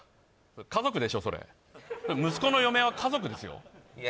家族でしょそれ息子の嫁は家族ですよいや